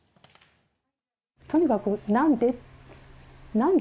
とにかく、なんで？